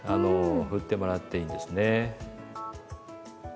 振ってもらっていいですね。